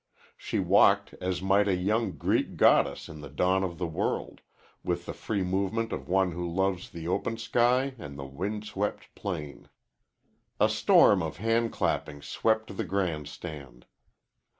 She walked as might a young Greek goddess in the dawn of the world, with the free movement of one who loves the open sky and the wind swept plain. A storm of hand clapping swept the grand stand.